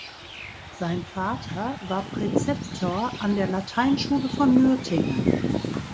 Sein Vater war Präzeptor an der Lateinschule von Nürtingen.